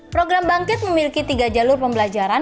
program bangkit memiliki tiga jalur pembelajaran